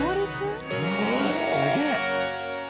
うわあすげえ。